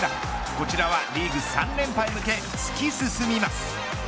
こちらはリーグ３連覇へ向け突き進みます。